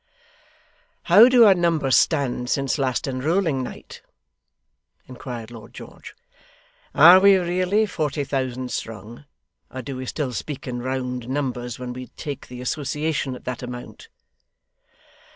'How do our numbers stand since last enrolling night?' inquired Lord George. 'Are we really forty thousand strong, or do we still speak in round numbers when we take the Association at that amount?